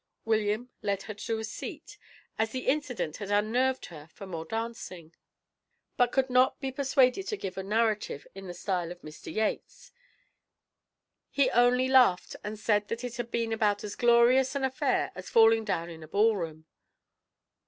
William led her to a seat, as the incident had unnerved her for more dancing, but could not be persuaded to give a narrative in the style of Mr. Yates; he only laughed and said that it had been about as glorious an affair as falling down in a ball room.